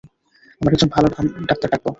আমরা একজন ভালো ডাক্তার ডাকব।